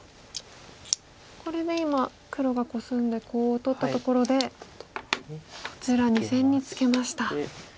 これで今黒がコスんでコウを取ったところでこちら２線にツケました。